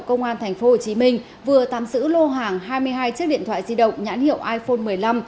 công an thành phố hồ chí minh vừa tham sử lô hàng hai mươi hai chiếc điện thoại di động nhãn hiệu iphone một mươi năm